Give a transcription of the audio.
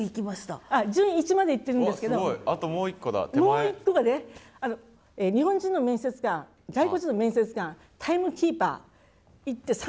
もう一個がね日本人の面接官外国人の面接官タイムキーパー３対１で。